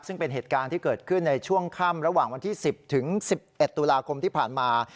ซึ่งเป็นเหตุการณ์ที่เกิดขึ้นในช่วงค่ำระหว่างวันที่๑๐ถึง๑๑ตุลาคมที่ผ่านมา